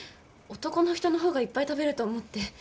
男の人の方がいっぱい食べると思って。